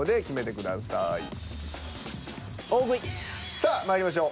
さあまいりましょう。